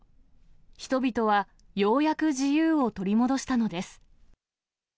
人々はようやく自由を取り戻したのです。